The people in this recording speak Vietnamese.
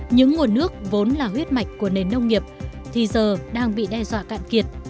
những nguồn nước vốn là huyết mạch của nền nông nghiệp thì giờ đang bị đe dọa cạn kiệt